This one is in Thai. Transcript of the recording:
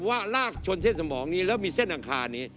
ว่าลากชนเส้นสมองนี้แล้วมีเส้นอังคารนี้